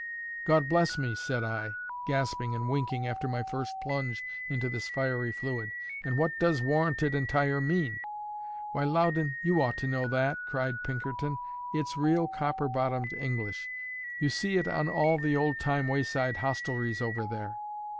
"God bless me!" said I, gasping and winking after my first plunge into this fiery fluid. "And what does 'Warranted Entire' mean?" "Why, Loudon! you ought to know that!" cried Pinkerton. "It's real, copper bottomed English; you see it on all the old time wayside hostelries over there."